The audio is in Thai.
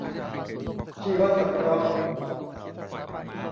ชีวสังเคราะห์